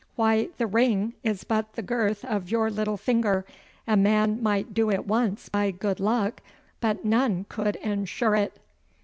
'Why, the ring is but the girth of your little finger. A man might do it once by good luck, but none could ensure it.